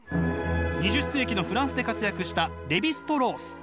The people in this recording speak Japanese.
２０世紀のフランスで活躍したレヴィ＝ストロース。